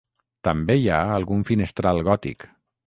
També hi ha algun finestral gòtic.